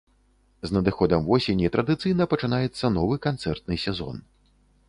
З надыходам восені традыцыйна пачынаецца новы канцэртны сезон.